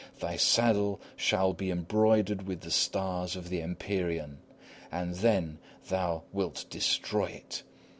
Thy saddle shall be broidered with the stars of the empyrean, and then thou wilt destroy it!